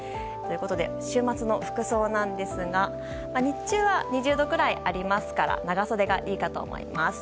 週末の服装なんですが日中は２０度くらいあるので長袖がいいかと思います。